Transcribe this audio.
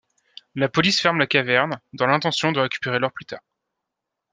La police ferme la caverne, dans l’intention de récupérer l’or plus tard.